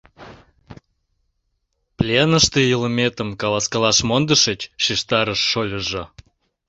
— Пленыште илыметым каласкалаш мондышыч, — шижтарыш шольыжо.